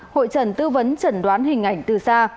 hội trần tư vấn trần đoán hình ảnh từ xa